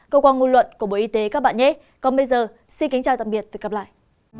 cơ quan ngôn luận của bộ y tế các bạn nhé còn bây giờ xin kính chào tạm biệt và hẹn gặp lại